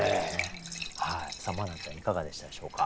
茉奈ちゃんいかがでしたでしょうか？